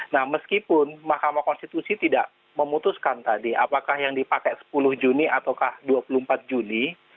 nah meskipun mahkamah konstitusi tidak memutuskan tadi apakah yang dipakai sepuluh juni atau dua puluh empat juni